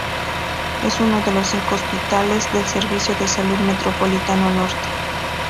Es uno de los cinco hospitales del Servicio de Salud Metropolitano Norte.